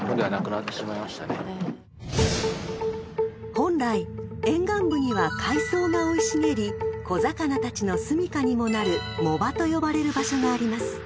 ［本来沿岸部には海藻が生い茂り小魚たちのすみかにもなる藻場と呼ばれる場所があります］